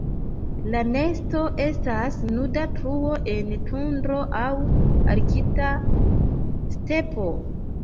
La nesto estas nuda truo en tundro aŭ arkta stepo.